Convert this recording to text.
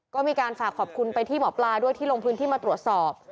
ก็มีการฝากขอบคุณไปที่หมอปลาด้วยที่ลงพื้นที่มาตรวจสอบ